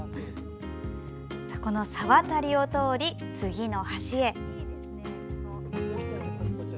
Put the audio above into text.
この沢渡を通り、次の橋へ。